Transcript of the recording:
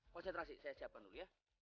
konsentrasi saya siapkan dulu ya